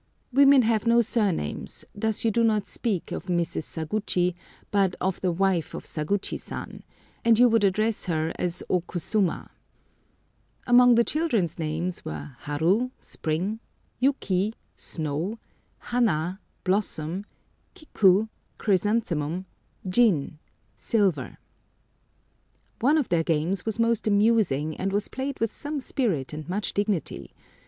Women have no surnames; thus you do not speak of Mrs. Saguchi, but of the wife of Saguchi San; and you would address her as O Kusuma. Among the children's names were Haru, Spring; Yuki, Snow; Hana, Blossom; Kiku, Chrysanthemum; Gin, Silver. One of their games was most amusing, and was played with some spirit and much dignity.